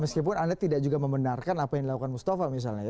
meskipun anda tidak juga membenarkan apa yang dilakukan mustafa misalnya ya